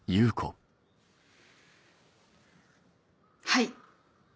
はい。